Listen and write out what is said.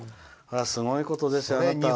すごいことですよ。